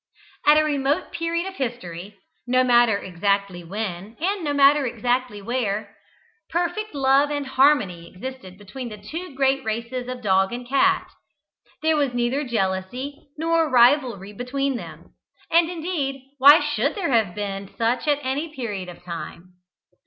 At a remote period of history no matter exactly when and no matter exactly where perfect love and harmony existed between the two great races of dog and cat. There was neither jealousy nor rivalry between them; and, indeed, why should there have been such at any period of time?